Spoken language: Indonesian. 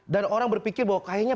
orang berpikir bahwa kayaknya